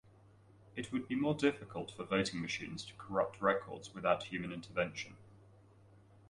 It would be more difficult for voting machines to corrupt records without human intervention.